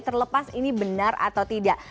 terlepas ini benar atau tidak